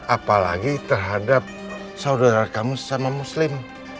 apalagi terhadap saudara kamu sesama muslim